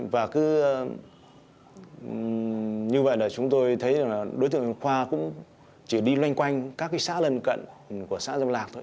và cứ như vậy là chúng tôi thấy là đối tượng khoa cũng chỉ đi loanh quanh các xã lân cận của xã lâm lạc thôi